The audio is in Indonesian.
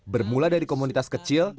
bermula dari komunitas kecil